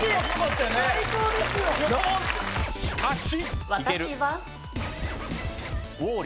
しかし。